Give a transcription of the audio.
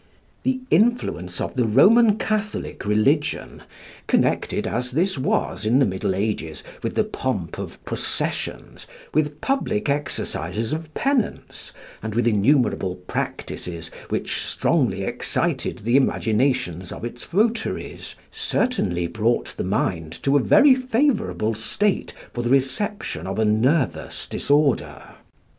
The influence of the Roman Catholic religion, connected as this was, in the middle ages, with the pomp of processions, with public exercises of penance, and with innumerable practices which strongly excited the imaginations of its votaries, certainly brought the mind to a very favourable state for the reception of a nervous disorder.